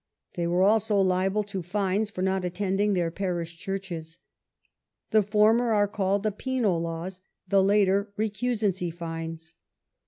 They were also liable to fines for not attending their parish churches. The former are called the "Penal laws", the latter " Recusancy" fines.